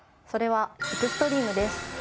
それはエクストリームです。